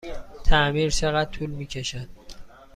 تعمیر چقدر طول می کشد؟